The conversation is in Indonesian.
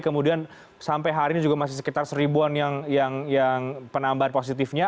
kemudian sampai hari ini juga masih sekitar seribuan yang penambahan positifnya